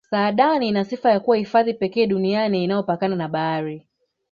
saadani ina sifa ya kuwa hifadhi pekee duniani inayopakana na bahari